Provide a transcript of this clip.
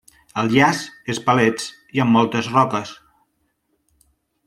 El jaç és palets i amb moltes roques.